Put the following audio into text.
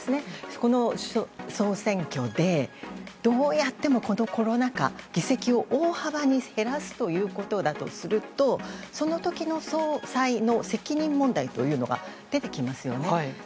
この総選挙でどうやってもこのコロナ禍議席を大幅に減らすということだとするとその時の総裁の責任問題というのが出てきますよね。